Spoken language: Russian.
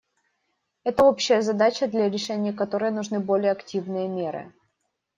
Это общая задача, для решения которой нужны более активные меры.